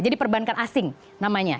jadi perbankan asing namanya